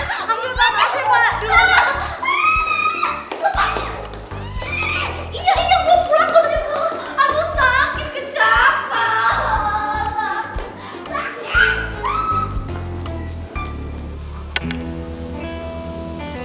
aku sakit kecap pak